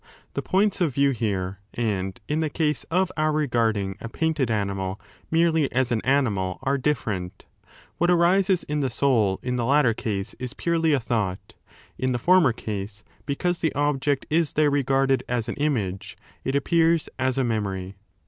The point« of view here and in the case of our regarding a painted animal merely as an animal are different : what arises in the soul ia the latter case is purely a thought ; in the 45'" former case, because the object is there regarded as an image, it appears as a memory.